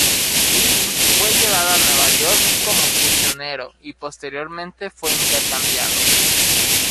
Lee fue llevado a Nueva York como prisionero y, posteriormente, fue intercambiado.